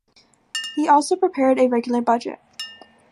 He also prepared a regular budget.